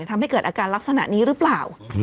ทำให้เกิดอาการลักษณะนี้หรือเปล่า